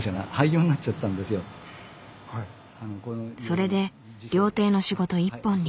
それで料亭の仕事一本に。